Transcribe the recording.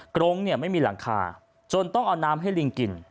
กรงเนี่ยไม่มีหลังคาจนต้องเอาน้ำให้ลิงกิน